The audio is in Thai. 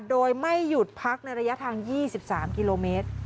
โดยไม่หยุดพักในระยะทาง๒๓กิโลเมตร